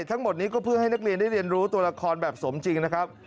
ทั้งหมดนี้ก็เพื่อให้นักเรียนได้เรียนรู้ตัวละครแบบสมจริงนะครับ